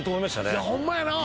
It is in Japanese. いやホンマやな